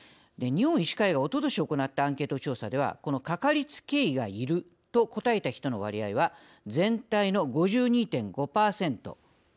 日本医師会がおととし行ったアンケート調査ではこのかかりつけ医がいると答えた人の割合は全体の５２．５％。